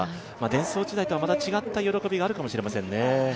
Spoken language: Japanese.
デンソー時代とは違った喜びがあるかもしれませんね。